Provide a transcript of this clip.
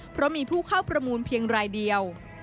เพราะมีผู้เข้าประมูลเพียงรายเดียว